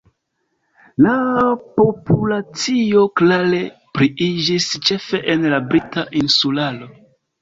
La populacio klare pliiĝis ĉefe en la Brita Insularo.